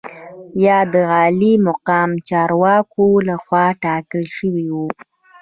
یا د عالي مقام چارواکو لخوا ټاکل شوي وو.